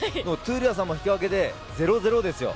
闘莉王さんも引き分けで０−０ですよ。